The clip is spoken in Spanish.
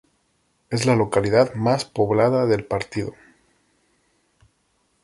Es la localidad más poblada del partido.